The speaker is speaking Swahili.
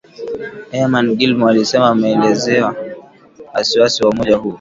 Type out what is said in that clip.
Eamon Gilmore alisema ameelezea wasi wasi wa umoja huo